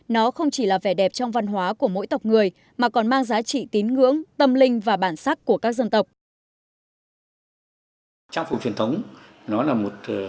nó không chỉ là vẻ đẹp trong văn hóa của mỗi tộc người mà còn mang giá trị tín ngưỡng tâm linh và bản sắc của các dân tộc